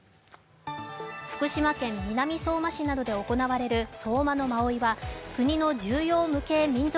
福島県南相馬市などで行われる相馬野馬追は国の重要無形民俗